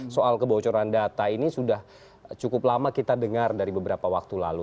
soal kebocoran data ini sudah cukup lama kita dengar dari beberapa waktu lalu